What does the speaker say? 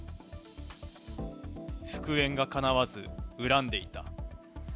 復縁がかなわず、恨んでいた。